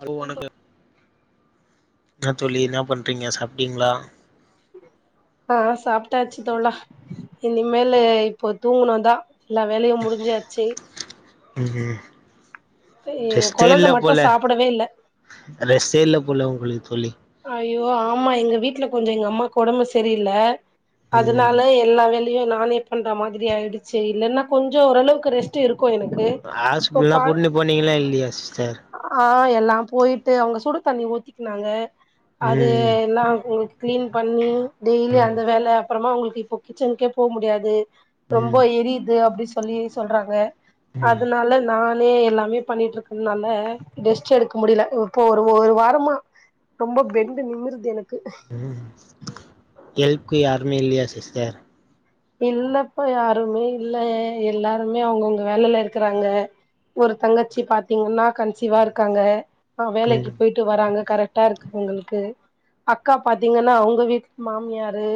hello வணக்கோ என்னா தோழி என்னா பண்றீங்க சாப்டீங்ளா ஆ சாப்ட்டாச்சு தோழா இனிமேல இப்போ தூங்கணுதா எல்லா வேலையு முடிஞ்சாச்சு ம் ம் எ ரெஸ்ட்டே கொழந்த இல்ல மட்டு போல சாப்படவே இல்ல ரெஸ்ட்டே இல்ல போல உங்களுக்கு தோழி ஐய்யோ ஆமா எங்க வீட்ல கொஞ்சோ எங்க அம்மாக்கு ஒடம்பு சரியில்ல ம் அதனால எல்லா வேல் லையு நானே பண்ற மாதிரி ஆயிடுச்சு இல்லன்னா கொஞ்சோ ஓளவுக்கு ரெஸ்ட் டு இருக்கு எனக்கு இப்ப ஹாஸ்பிட்டல்லா பால் கூட்னு போனீங்களா இல்லையா சிஸ்டர் ஆ எல்லா போயிட்டு அவுங்க சுடு தண்ணி ஊத்திக்குனாங்க அது ம் எல்லா அவுங்களுக்கு கிளீன் பண்ணி டெய்லி அந்த வேல அப்பறமா அவுங்களுக்கு இப்போ கிச்சனுக்கே போ முடியாது ரொம்ப எரியுது அப்படி செல்லி சொல்றாங்க ம் அதனால நா ரே எல்லாமே பண்ணிட்டு இருக்கறனால ரெஸ்ட்டு எடுக்க முடியல இப்போ ஒரு ஒரு வாரமா ரொம்ப பென்டு நிமிருது எனக்கு ம் ஹெல்ப்புக்கு யாருமே இல்லையா சிஸ்டர் இல்லப்ப யாருமே இல்ல எல்லாருமே அவுங்கவுங்க வேலையில இருக்றாங்க ஒரு தங்கச்சி பாத்தீங்னா கன்சிவா இருக்காங்க ஆ வேலைக்கு ம் போயிட் டு வராங்க கரெக்டா இருக்கு அவங்களுக்கு அக்கா பாத்தீங்னா அவுங்க வீட்டு மாமியாரு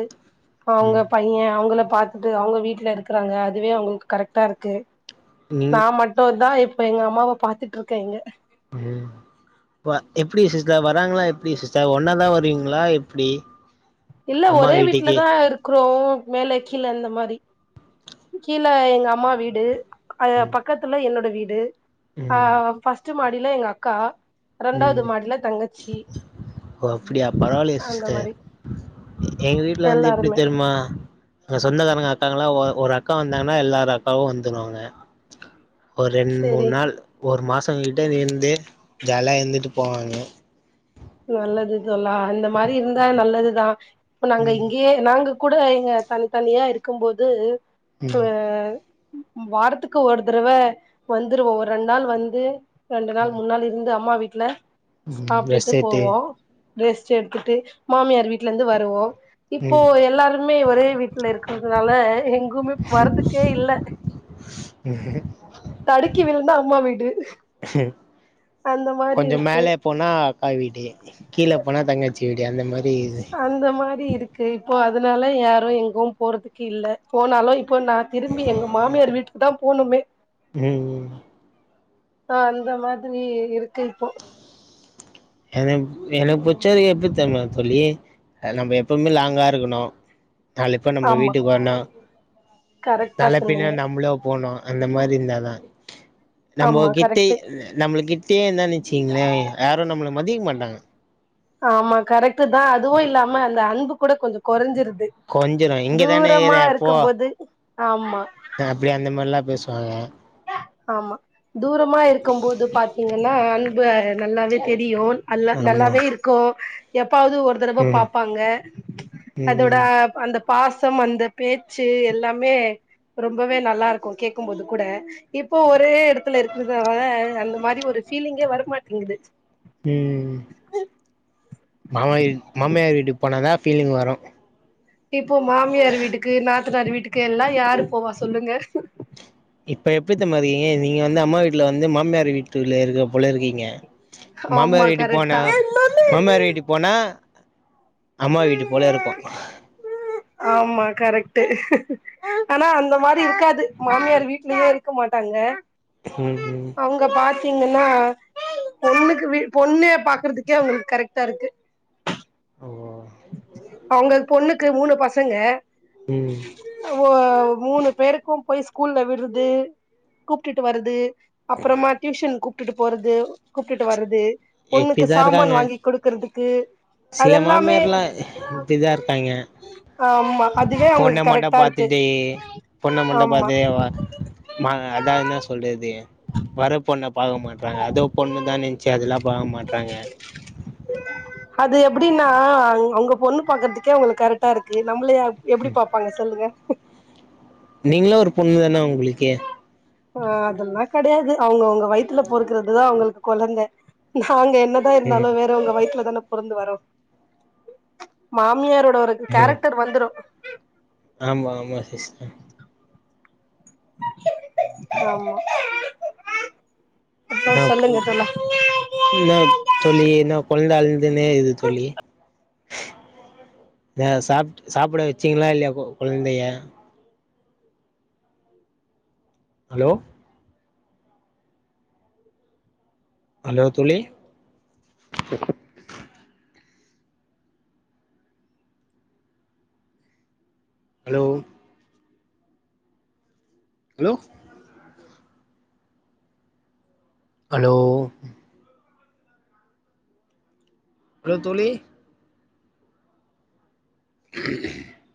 அவுங்க ம் பையன் அவங்கள பாத்துட்டு அவுங்க வீட்ல இருக்கறாங்க அதுவே அவுங்களுக்கு கரெக்டா இருக்கு நீங் நா மட்டுதா இப்ப எங்க அம்மாவ பாத்துட்டு இருக்க இங்க ம் இப்ப எப்டி சிஸ்டர் வராங்ளா எப்டி சிஸ்டர் ஒன்னாதா வருவீங்ளா எப்டி இல்ல அம்மா ஒரே வீட்டுக்கு வீட்லதா இரு க்றோ மேல கீழ அந்த மாதிரி கீழ எங்க அம்மா வீடு அது பக்கத்துல என்னோட வீடு ஆ ம் ஃபஸ்ட்டு மாடியிலா எங்க அக்கா ரெண்டாவது ம் மாடில தங்கச்சி ஓ அப்டியா பரவாயில்லயே அந்த சிஸ்டர் மாரி எங்க வீட்ல வந்து எப்டி எல்லாருமே தெரிமா அ சொந்தக்காரங்க அக்காங்ளா ஒரு அக்கா வந்தாங்னா எல்லார் அக்காவு வந்துருவாங்க ஒரு ரெண் மூண் சேரி நாள் ஒரு மாசோ கிட்ட இருந்து ஜாலியா இருந்துட்டு போவாங்க நல்லது தோழா இந்த மாரி இருந்தா நல்லதுதா இப்ப நாங்க ம் இங்கேயே நாங்க கூட இங்க தனி தனியா இருக்குபோது ம் ஆ வாரத்துக்கு ஒரு தடவ வந்துருவோ ஒரு ரெண்டு நாள் வந்து ரெண்டு நாள் மூணு நாள் இருந்து அம்மா வீட்ல ம் சாப்ட்டுட்டு ரெஸ்ட் எட்த்து போவோ ரெஸ்ட் எடுத்துட்டு மாமியார் வீட்லருந்து வருவோ இப்போ ம் எல்லாரு மே ஒரே வீட்ல இருக்கறதுனால எங் கமே போறதுக்கே இல்ல தடுக்கி விழுந்தா அம்மா வீடு அந்த மாரி கொஞ்சோ இருக்கு மேல போனா அக்கா் வீடு கீழ போனா தங்காச்சி வீடு அந்த மாரி அந்த மாரி இருக்கு இப்போ அதனால யாரு எங்கு போறதுக்கு இல்ல போனாலு இப்போ நா திரும்பி எங்க மாமியார் வீட்டுக்கு தா போணுமே ம் ம் அ அந்த மாதிரி இருக்கு இப்போ எனக்கு எனக்கு புடிச்சது எப்டி தெரியுமா தோழி நம்ம எப்பவுமே லாங்கா இருக்கணு நாளு பேர் நம்ம ஆமா வீட்டுக்கு வரனு‌ கரெக்டா நாள பின்ன சொன்னீங்க நம்மளு போனு அந்த மாரி இருந்தாதா நம்ம ஆமா கிட்ட கரெக்ட்டு நம்ம கிட் டேய இருந்தோனு வச்சீங்ளே யாருக்கும் நம்மள மதிக்க மாட்டாங்க ஆமா கரெக்டு தா அதுவு இல்லாம அந்த அன்பு கூட கொஞ்சோ கொறஞ்சிருது கொஞ்சுரு இங்க தானே இக்குற தூரமா இருக்குபோது ஆமா அப்படி அந்த மாரிலா பேசுவாங்க ஆமா தூரமா இருக்குபோது பாத்தீங்னா அன்பு நல்லாவே தெரியு அல்ல ஆமா நல்லாவே இருக்கு எப்பாது ஒரு தடவ ம் பாப்பாங்க அதோட ம் அந்த பாசம் அந்த பேச்சு எல்லாமே ரொம்பவே நல்லாருக்கு கேக்குபோது கூட இப்போ ஒரே எடத்துல இருக்களதுனால அந்த மாரி ஒரு ஃபீலிங்கே வரமாட்டேங்குது ம் மாம மாமியார் வீட்டுக்கு போன தா ஃபீலிங் வரு இப்போ மாமியார் வீட்டுக்கு நாத்தனார் வீட்டுக்கு எல்லா யாரு போவா சொல்லுங்க இப்ப எப்டி தெரிமா இருக்கீங்க நீங்க வந்து அம்மா வீட்ல வந்து மாமியார் வீட்டுல இருக்க போல இருக்கீங்க ஆமா மாமியார் வீட்டு கரெக்ட் போனா தா மாமியார் வீட்டு போனா அம்மா வீடு போல இருக்கு ஆம்மா கரெக்ட்டு அனா அந்த மாரி இருக்காது மாமியார் வீட்லயே இருக்க மாட்டாங்க ம் ம் அவுங்க பாத்தீங்கன்னா பொண்ணுக்கு வீ பொண்ணே பாக்கற்துக்கே அவுங்களுக்கு கரெக்ட்டாருக்கு ஒ ஒ அவங்க பொண்ணுக்கு மூணு பசங்க ம் ஓ மூணு பேருக்கு போய் ஸ்கூல்ல விட்ருது கூப்ட்டுட்டு வரது அப்புறமா டியூஷன் கூப்ட்டுட்டு போறது கூப்ட்டுட்டு வர்றது பொண்ணுக்கு இப்டிதா சாம்மன் இருக்காங்க வாங்கி குடுக்குறதுக்கு சில மாமியாரல்லா இப்டிதா இருக்காய்ங்க ஆமா அதுவே பொண்ண அவங்களுக்கு மட்டு கரெக்டா இருக்கு பாத்துட்டே பொண்ண மட்டு ஆமா பாத்தேவா ம அதா என்ன சொல்றது வர பொண்ண பாக்க மாட்றாங்க அதோ பொண்ணு தா நென்ச்சு அதுல்லா பாக்க மாட்றாங்க அது எப்புடின்னா அங் அவ்ங்க பொண்ணு பாக்கற்துக்கே அவுங்களுக் கரட்டா இருக்கு நம்புளயா எப்புடி பாப்பாங்க சொல்லுங்க நீங்ளு ஒரு பொண்ணு தான அவுங்ளுக்கே இபஅதல்லா கடையாது அவ்ங்கவுங்க வயித்துல பொறுக்குறதுதா அவுங்களுக்கு கொழந்த நாங்க என்ன தா ம் இருந்தாலு வேறவங்க வயித்துல தான பொறந்து வரோ மாமியாரோட ஒரு கேரக்டர் வந்துரு ஆம்மா ஆமா சிஸ்ட்ட ஆமா அப்றோ நா போ சொல்லுங்க தோழா [inaudible] இன்னா தோழி என்னா கொழ்ந்த அழ்துனே இருக்து தோழி ஏ சாப்ட்டு சாப்புட வெச்சிங்ளா இல்லயா கொ கொழ்ந்தைய அலோ அலோ தோழி அலோ அலோ ஹலோ அலோ தோழி